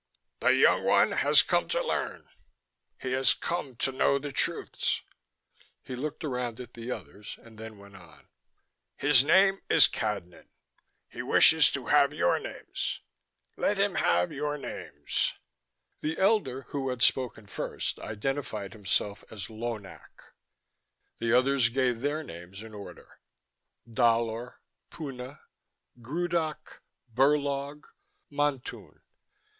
"The young one has come to learn. He has come to know the truths." He looked around at the others and then went on: "His name is Cadnan. He wishes to have your names. Let him have your names." The elder who had spoken first identified himself as Lonak. The others gave their names in order: Dalor, Puna, Grudoc, Burlog, Montun.